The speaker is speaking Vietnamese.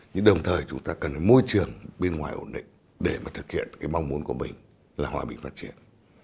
nhưng đồng thời chúng ta cần cái môi trường bên ngoài ổn định để mà thực hiện cái mong muốn của mình là hòa bình phát triển